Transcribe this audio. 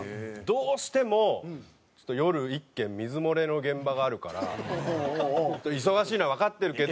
どうしても夜１件水漏れの現場があるから忙しいのはわかってるけど。